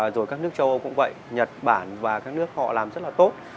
rồi các nước châu âu cũng vậy nhật bản và các nước họ làm rất là tốt